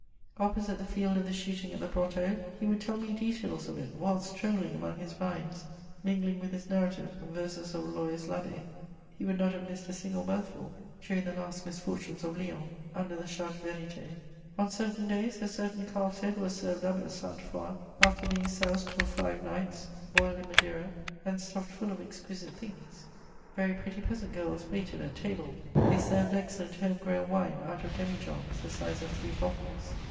Opposite the field of the shooting at the Brotteaux, he would tell me details of it, while strolling among his vines, mingling with his narrative verses of Loyse Labbé: he would not have missed a single mouthful during the last misfortunes of Lyons, under the Charte Vérité. On certain days a certain calf's head was served up at Sainte Foix, after being soused for five nights, boiled in madeira, and stuffed full of exquisite things; very pretty peasant girls waited at table; they served excellent homegrown wine out of demi johns the size of three bottles.